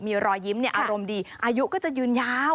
มีรอยยิ้มอารมณ์ดีอายุก็จะยืนยาว